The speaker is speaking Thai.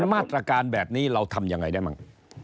มาตรการแบบนี้เราทำยังไงได้มั้ง